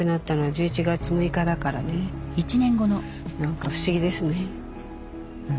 何か不思議ですね。